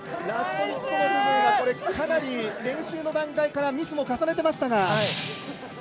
ラストヒットの部分はかなり練習の段階からミスも重ねていましたが。